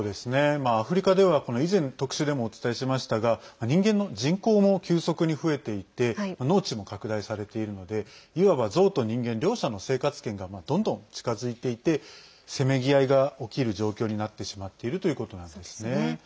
アフリカでは、以前特集でもお伝えしましたが人間の人口も急速に増えていて農地も拡大されているのでいわばゾウと人間両者の生活圏がどんどん近づいていてせめぎ合いが起きる状況になってしまっているということなんですね。